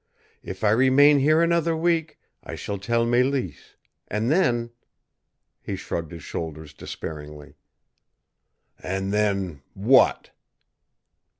If I remain here another week, I shall tell Mélisse, and then " He shrugged his shoulders despairingly. "And then what?"